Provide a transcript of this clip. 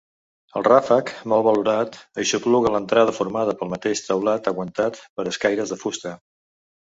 El ràfec, molt volat, aixopluga l'entrada, formada pel mateix teulat aguantat per escaires de fusta.